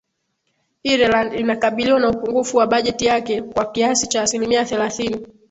ireland inakabiliwa na upungufu wa bajeti yake kwa kiasi cha asilimia thelathini